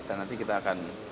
dan nanti kita akan